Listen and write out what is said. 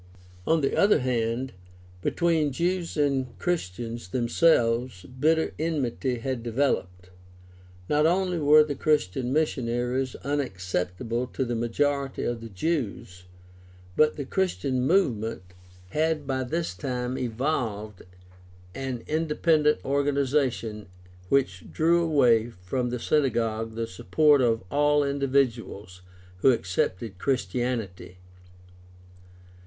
On the other hand, between Jews and Christians them selves bitter enmity had developed. Not only were the Christian missionaries unacceptable to the majority of the Jews, but the Christian movement had by this time evolved an independent organization which drew away from the synagogue the support of all individuals who accepted Chris tianity.